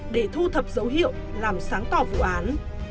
để thu thập dấu hiệu làm sáng tỏ vụ án